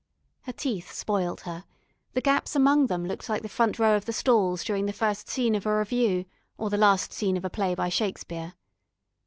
Her teeth spoilt her; the gaps among them looked like the front row of the stalls during the first scene of a revue, or the last scene of a play by Shakspere.